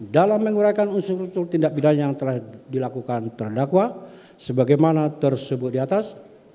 dalam mengguraikan unsur unsur tindak pidana yang telah dilakukan terdakwa sebagaimana tersebut diatas